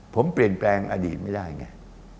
ผมเปลี่ยนแปลงอดีตไม่ได้ไง